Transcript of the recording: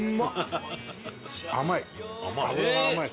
甘い！